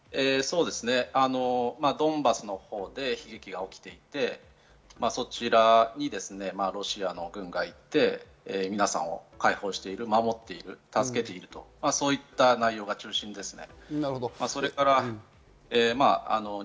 ドンバスのほうで悲劇が起きていて、そちらにロシアの軍が行って、皆さんを解放している、守っている、助けているとそういった内容が中心ですね。